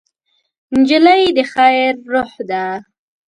نجلۍ د خیر روح ده.